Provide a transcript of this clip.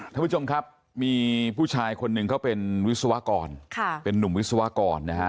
ท่านผู้ชมครับมีผู้ชายคนหนึ่งเขาเป็นวิศวกรเป็นนุ่มวิศวกรนะฮะ